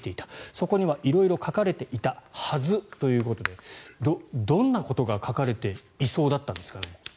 そこには色々書かれていたはずということでどんなことが書かれていそうだったんですかね。